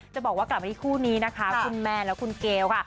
จะบอกว่ากลับมาที่คู่นี้นะคะคุณแม่และคุณเกลค่ะ